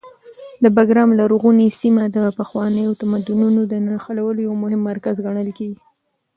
د بګرام لرغونې سیمه د پخوانیو تمدنونو د نښلولو یو مهم مرکز ګڼل کېږي.